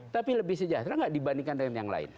tapi lebih sejahtera nggak dibandingkan dengan yang lain